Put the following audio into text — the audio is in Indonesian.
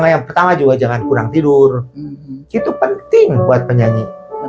yang pertama juga jangan kurang tidur itu penting buat penyanyi